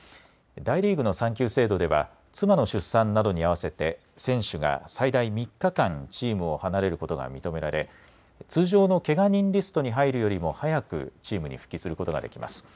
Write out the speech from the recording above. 大リーグの産休制度では妻の出産などに合わせて選手が最大３日間チームを離れることが認められ通常のけが人リストに入るよりも早くチームに復帰することができます。